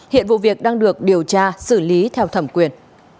hiện vụ việc đang được điều tra xử lý theo thẩm quyền